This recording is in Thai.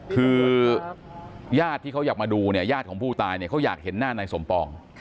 คือญาติที่เขาอยากมาดูเนี่ยญาติของผู้ตายเนี่ยเขาอยากเห็นหน้านายสมปอง